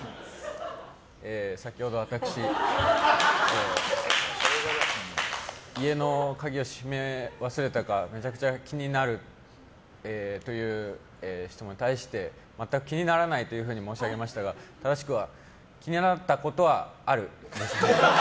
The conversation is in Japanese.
先ほど私、家の鍵を閉め忘れたかめちゃくちゃ気になるという質問に対して全く気にならないと申し上げましたが、正しくは気になったことはあるです。